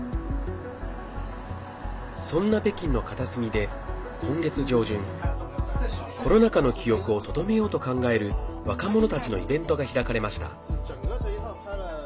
そんな北京の片隅で、今月上旬コロナ禍の記憶をとどめようと考える若者たちのイベントが開かれました。